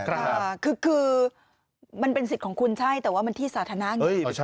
ค่ะคือมันเป็นสิทธิ์ของคุณใช่แต่ว่ามันที่สาธารณะไง